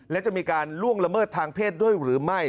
และจะมีการล่วงละเมิดทางเพศด้วยหรือไม่